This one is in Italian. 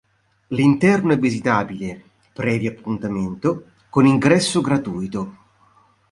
L'interno è visitabile, previo appuntamento, con ingresso gratuito.